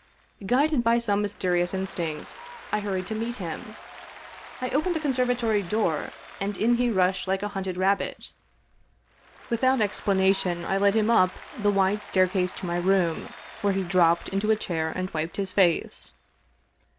Guided by some mysterious instinct I hurried to meet him. I opened the conservatory door, and in he rushed like a hunted rabbit. Without explanation I led him up the wide staircase to my room, where he dropped into a chair and wiped his face.